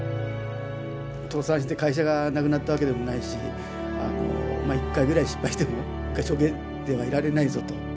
倒産して会社がなくなったわけでもないし１回ぐらい失敗してもしょげてはいられないぞと。